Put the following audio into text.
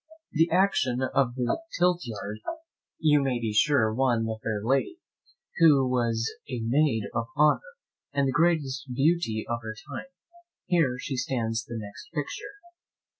The action at the tilt yard you may be sure won the fair lady, who was a maid of honour, and the greatest beauty of her time; here she stands the next picture.